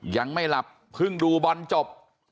ยังไม่หลับเพิ่งดูบอลจบ